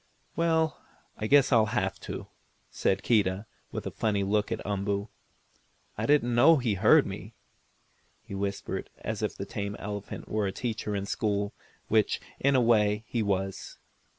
"Well, I guess I'll have to," said Keedah, with a funny look at Umboo. "I didn't know he heard me," he whispered, as if the tame elephant were a teacher in school, which, in a way, he was.